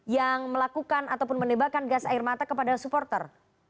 yang melakukan ataupun menembakkan gas air mata kepada supporter